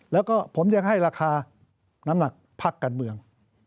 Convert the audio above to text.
แล้วก็ผมยังให้ราคาน้ำหนักพักการเมือง